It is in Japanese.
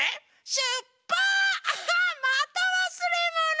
しゅっぱアハッまたわすれもの。